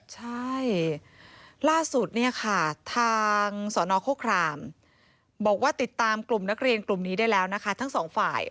ใช่ล่าสุดเนี่ยค่ะทางสนโฆครามบอกว่าติดตามกลุ่มนักเรียนกลุ่มนี้ได้แล้วนะคะทั้งสองฝ่าย